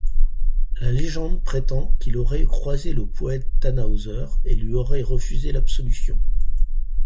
La légende prétend qu'il aurait croisé le poète Tannhäuser et lui aurait refusé l'absolution.